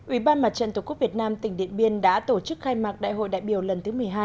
ủy ban mặt trận tổ quốc việt nam tỉnh điện biên đã tổ chức khai mạc đại hội đại biểu lần thứ một mươi hai